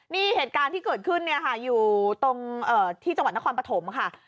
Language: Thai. นี่เหตุการณ์ที่เกิดขึ้นเนี่ยค่ะอยู่ตรงที่จังหวัดนครปฐมค่ะ